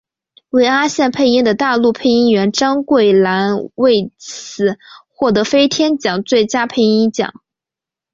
为阿信配音的大陆配音员张桂兰为此获得飞天奖最佳配音奖。